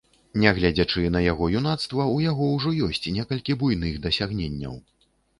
Нягледзячы на яго юнацтва, у яго ўжо ёсць некалькі буйных дасягненняў.